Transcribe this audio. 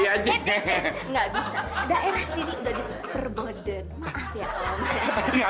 eh eh eh eh enggak bisa daerah sini udah diperbodet maaf ya om